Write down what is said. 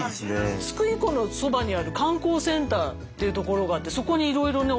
津久井湖のそばにある観光センターっていうところがあってそこにいろいろね